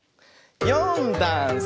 「よんだんす」